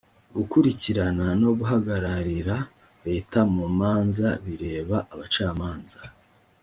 gukurikirana no guhagararira leta mu manza bireba abacamanza.